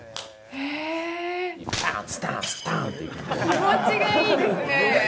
気持ちがいいですね